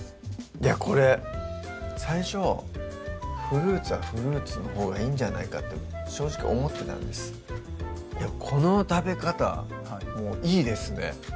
いやこれ最初フルーツはフルーツのほうがいいんじゃないかって正直思ってたんですでもこの食べ方もいいですね